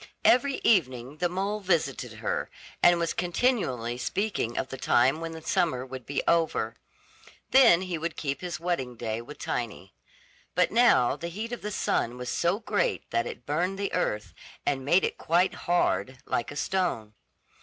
Every evening the mole visited her, and was continually speaking of the time when the summer would be over. Then he would keep his wedding day with Tiny; but now the heat of the sun was so great that it burned the earth, and made it quite hard, like a stone.